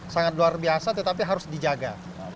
sangat luar biasa tetapi harus dijaga